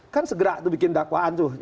kan segera tuh bikin dakwaan tuh